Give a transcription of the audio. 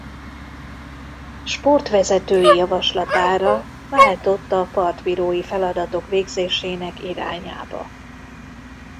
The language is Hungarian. Sportvezetői javaslatára váltott a partbírói feladatok végzésének irányába.